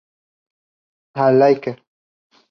I Like!